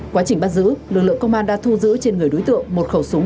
quá trình bắt giữ lực lượng công an đã thu giữ trên người đối tượng một khẩu súng bắn đạn bi